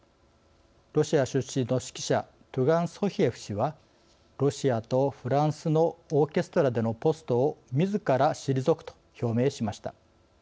ロシア出身の指揮者トゥガン・ソヒエフ氏はロシアとフランスのオーケストラでのポストをみずから退くと表明しました。